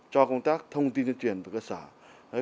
cho công tác thông tin tuyên truyền từ cơ sở